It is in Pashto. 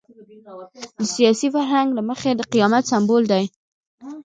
د سیاسي فرهنګ له مخې د قیامت سمبول دی.